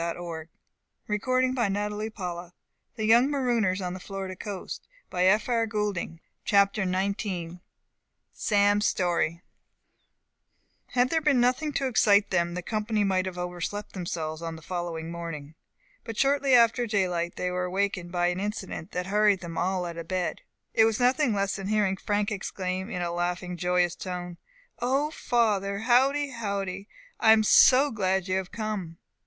CHAPTER XIX THE SURPRISE AND DISAPPOINTMENT NAMING THE FAWN SAM'S STORY DEPRESSION AFTER EXCITEMENT GREAT MISFORTUNE Had there been nothing to excite them the company might have overslept themselves on the following morning. But shortly after daylight they were awaked by an incident that hurried them all out of bed. It was nothing less than hearing Frank exclaim, in a laughing, joyous tone, "O father, howdy! howdy! I am so glad you have come!"